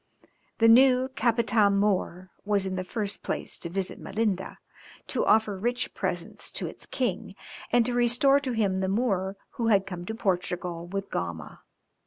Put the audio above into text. The new Capitam mõr was in the first place to visit Melinda, to offer rich presents to its king, and to restore to him the Moor who had come to Portugal with Gama.